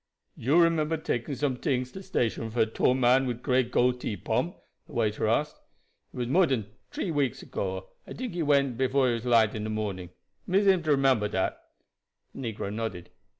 "You remember taking some tings to station for a tall man wid gray goatee, Pomp?" the waiter asked. "It was more dan tree weeks ago. I tink he went before it was light in de morning. Me seem to remember dat." The negro nodded.